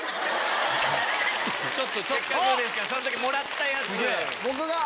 せっかくですからその時もらったやつ。